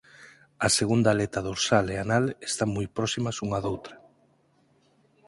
A segunda aleta dorsal e anal están moi próximas unha doutra.